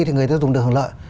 thì người ta dùng được hưởng lợi